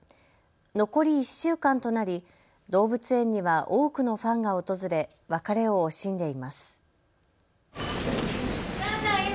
残り１週間となり動物園には多くのファンが訪れ別れを惜しんでいます。